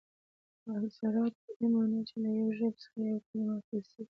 اثرات په دې مانا، چي له یوې ژبي څخه یوه کلیمه اخستل سوې يي.